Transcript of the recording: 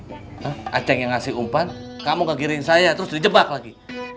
hah aceh yang ngasih umpan kamu kekirin saya terus di jebak lagi